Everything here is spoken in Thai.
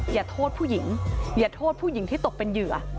อย่าโทษผู้หญิงอย่าโทษผู้หญิงที่ตกเป็นเหยื่อ